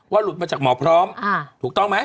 ว่าหลุดจากหมอพร้อมถูกต้องมั้ย